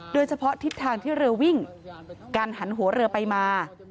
โดยเฉพาะทิศทางที่เรือวิ่งการหันหัวเรือไปมา